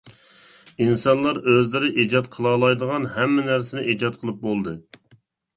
«ئىنسانلار ئۆزلىرى ئىجاد قىلالايدىغان ھەممە نەرسىنى ئىجاد قىلىپ بولدى» .